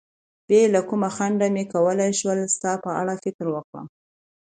بې له کوم خنډه به مې کولای شول ستا په اړه فکر وکړم.